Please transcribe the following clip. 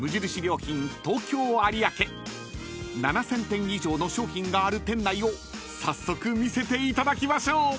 ［７，０００点以上の商品がある店内を早速見せていただきましょう］